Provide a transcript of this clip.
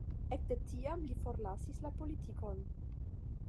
Ekde tiam li forlasis la politikon.